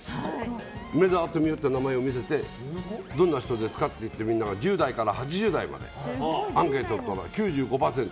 梅沢富美男っていう名前を見せてどんな人ですかって言って１０代から８０代までアンケートを取ったら９５％。